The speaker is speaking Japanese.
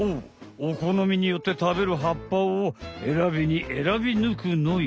おこのみによってたべるはっぱをえらびにえらびぬくのよ。